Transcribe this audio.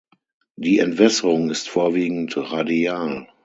Die Entwässerung ist vorwiegend radial.